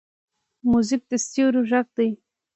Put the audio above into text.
موزیک د ستوریو غږ دی.